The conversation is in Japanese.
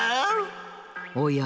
おや？